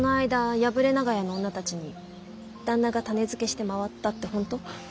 破れ長屋の女たちに旦那が種付けして回ったって本当？